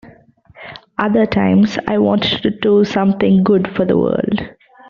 Other times I want to do something good for the world.